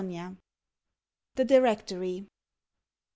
141 THE DIRECTORY.